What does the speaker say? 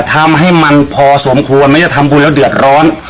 ทำให้มันพอสมควรแม้จะทำบุญแล้วเดือดร้อน